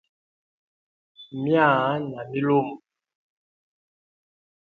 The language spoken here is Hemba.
Myaa na milumbo.